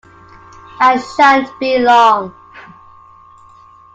I shan’t be long.